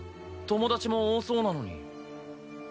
友達も多そうなのに。